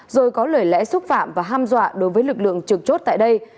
rồi có lời lẽ xúc phạm và ham dọa đối với lực lượng trực chốt tại đây